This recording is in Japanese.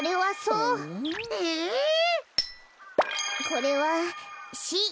これはシ。